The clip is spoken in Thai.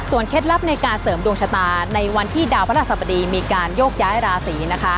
เคล็ดลับในการเสริมดวงชะตาในวันที่ดาวพระราชสบดีมีการโยกย้ายราศีนะคะ